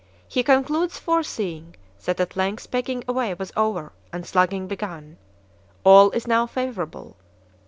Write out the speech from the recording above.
He concludes foreseeing that at length "pegging away" was over and slugging begun: "All is now favorable!"